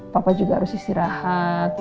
papa juga harus istirahat